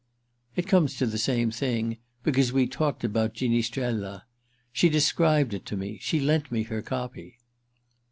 "It comes to the same thing, because we talked about 'Ginistrella.' She described it to me—she lent me her copy."